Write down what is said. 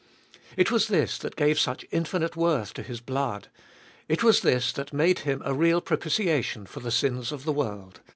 It was this that gave such infinite worth to His blood. It was this that made Him a real propitiation for the sins of the world.